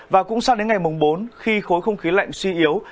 và cũng sang đến ngày mùng bốn khi khối không khí lạnh suy yếu